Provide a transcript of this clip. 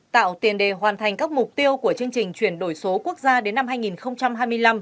tạo tiền đề hoàn thành các mục tiêu của chương trình chuyển đổi số quốc gia đến năm hai nghìn hai mươi năm